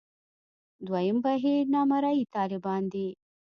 دویم بهیر نامرئي طالبان دي.